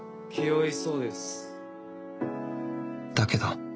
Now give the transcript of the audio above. だけど